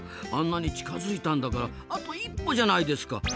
あんなに近づいたんだからあと一歩じゃないですか。